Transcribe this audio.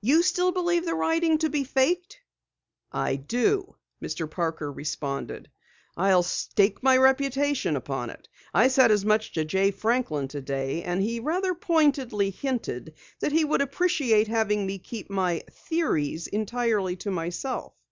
"You still believe the writing to be faked?" "I do," Mr. Parker responded. "I'll stake my reputation upon it! I said as much to Jay Franklin today and he rather pointedly hinted that he would appreciate having me keep my theories entirely to myself."